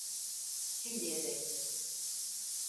Şimdiye dek.